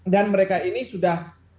dan mereka ini sudah